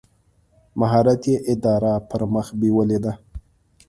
مهارت یې اداره پر مخ بېولې ده.